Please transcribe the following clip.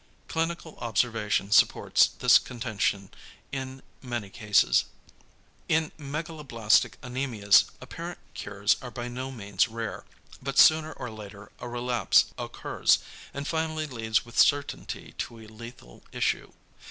Clinical observation supports this contention in many cases. In megaloblastic anæmias apparent cures are by no means rare, but sooner or later a relapse occurs, and finally leads with certainty to a lethal issue.